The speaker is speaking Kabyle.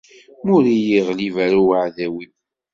Ma ur iyi-iɣlib ara uɛdaw-iw.